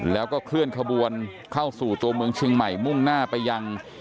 แล้วก็เคลื่อนขบวนเข้าสู่ตัวเมืองเชียงใหม่มุ่งหน้าไปยัง